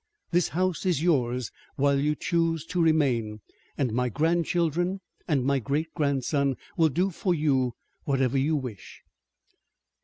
This house is yours while you choose to remain, and my grandchildren and my great grandson will do for you whatever you wish."